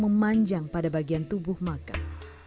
memanjang pada bagian tubuh makam